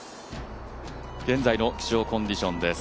現在の気象コンディションです